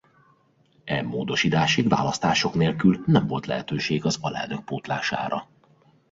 E módosításig választások nélkül nem volt lehetőség az alelnök pótlására.